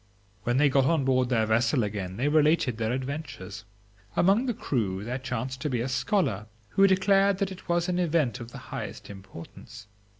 When they got on board their vessel again they related their adventures. Among the crew there chanced to be a scholar, who declared that it was an event of the highest importance.